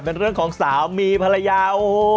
เป็นเรื่องของสามีภรรยาโอ้โห